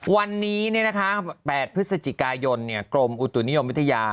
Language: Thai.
วันนี้๘พฤศจิกายนกรมอุตุนิยมวิทยา